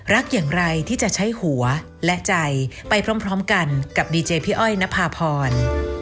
โปรดติดตามตอนต่อไป